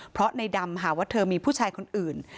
เพราะในดำหาว่าเธอมีผู้ชายคนอื่น